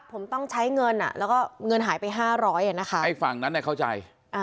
ผมต้องใช้เงินแล้วก็เงินหายไปห้าร้อยไอ้ฝั่งนั้นได้เข้าใจ